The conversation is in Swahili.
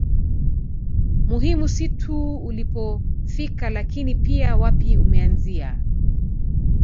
Muhimu si tu ulipofika lakini pia wapi umeanzia